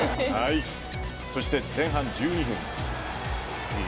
そして前半１２分。